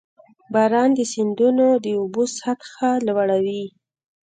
• باران د سیندونو د اوبو سطحه لوړوي.